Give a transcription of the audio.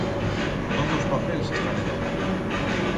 Toz los papels están en orden.